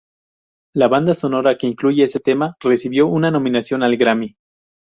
La banda sonora que incluye este tema recibió una nominación al Grammy.